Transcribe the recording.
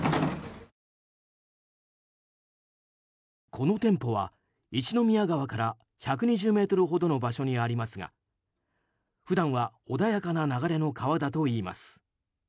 この店舗は一宮川から１２０ｍほどの場所にありますが普段は穏やかな流れの川だといいます。